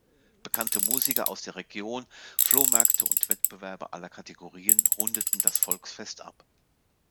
Bekannte Musiker aus der Region, Flohmärkte und Wettbewerbe aller Kategorien rundeten das Volksfest ab.